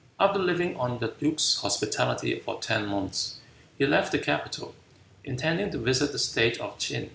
After living on the duke's hospitality for ten months, he left the capital, intending to visit the state of Ch'in.